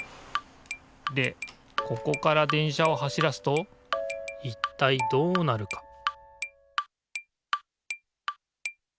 でここから電車を走らすといったいどうなるか？